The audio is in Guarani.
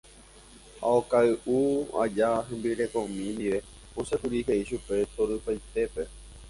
Ha okay'u aja hembirekomi ndive, osẽkuri he'i chupe torypaitépe.